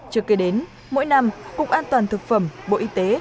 trước kia đến mỗi năm cục an toàn thực phẩm bộ y tế